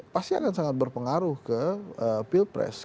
pasti akan sangat berpengaruh ke pilpres